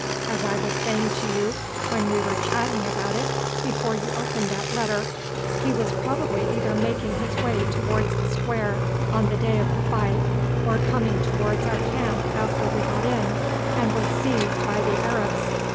As I was saying to you when we were chatting about it before you opened that letter, he was probably either making his way towards the square on the day of the fight or coming towards our camp after we got in, and was seized by the Arabs.